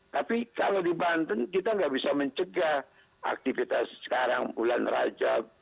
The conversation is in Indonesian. tapi kalau di banten kita nggak bisa mencegah aktivitas sekarang bulan rajab